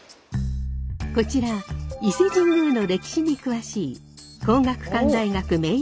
こちら伊勢神宮の歴史に詳しい川？